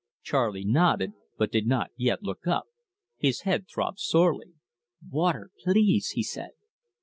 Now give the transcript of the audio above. Charley nodded, but did not yet look up. His head throbbed sorely. "Water please!" he said.